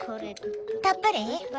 たっぷり？